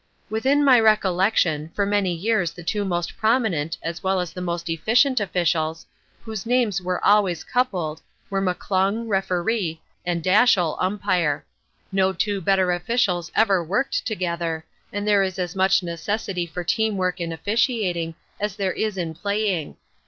Within my recollection, for many years the two most prominent, as well as most efficient officials, whose names were always coupled, were McClung, Referee, and Dashiell, Umpire. No two better officials ever worked together and there is as much necessity for team work in officiating as there is in playing.